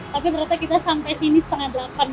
tapi ternyata kita sampai sini setengah delapan